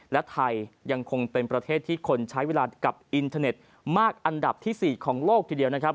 และไทยยังคงเป็นประเทศที่คนใช้เวลากับอินเทอร์เน็ตมากอันดับที่๔ของโลกทีเดียวนะครับ